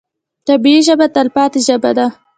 طبیعي ژبه تلپاتې ژبه ده.